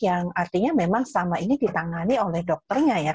yang artinya memang selama ini ditangani oleh dokternya ya